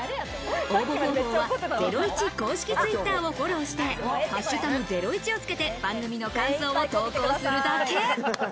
応募方法はゼロイチ公式Ｔｗｉｔｔｅｒをフォローして「＃ゼロイチ」をつけて番組の感想を投稿するだけ。